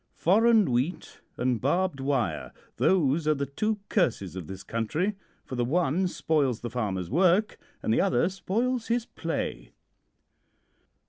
Foreign wheat and barbed wire those are the two curses of this country, for the one spoils the farmer's work and the other spoils his play.